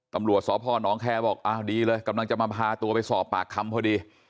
ตำรวจสพนแคร์บอกอ้าวดีเลยกำลังจะมาพาตัวไปสอบปากคำพอดี